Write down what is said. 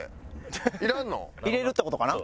入れるって事かな？